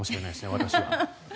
私は。